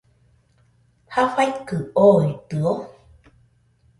¿jafaikɨ ooitɨo.?